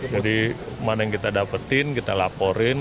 jadi mana yang kita dapetin kita laporin